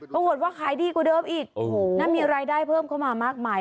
ปรากฏว่าขายดีกว่าเดิมอีกมีรายได้เพิ่มเข้ามามากมาย